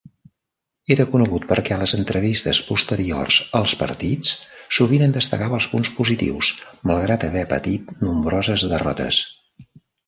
Era conegut perquè a les entrevistes posteriors als partits sovint en destacava els punts positius, malgrat haver patit nombroses derrotes.